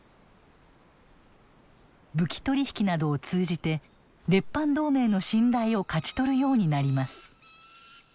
武器取り引きなどを通じて列藩同盟の信頼を勝ち取るようになります。